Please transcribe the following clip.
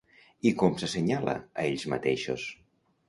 I com s'assenyala a ells mateixos?